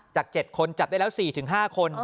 ๗คนจับได้แล้ว๔๕คน